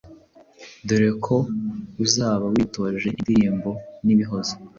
dore ko uzaba witoje indirimbo n’ibihozo,